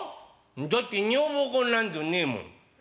「だって女房子なんぞねえもん」。